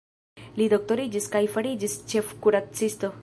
Li doktoriĝis kaj fariĝis ĉefkuracisto.